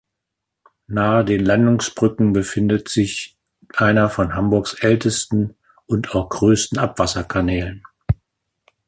Nahe den Landungsbrücken befindet sich einer von Hamburgs ältesten und auch größten Abwasserkanälen.